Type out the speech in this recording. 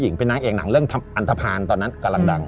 เป็นนางเอกหนังเรื่องอันทภาณตอนนั้นกำลังดัง